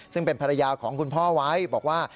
ซึ่งเป็นภรรยาของคุณพ่อไว้บอกว่า